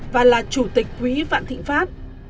và là chủ tịch quỹ vạn thịnh pháp